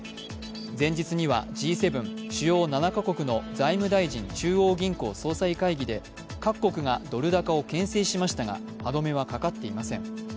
前日にはＧ７＝主要７か国の財務大臣・中央銀行総裁会議で各国がドル高をけん制しましたが、歯止めはかかっていません。